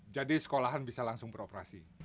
jadi sekolahan bisa langsung beroperasi